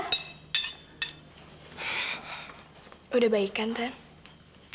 sudah baik kan tante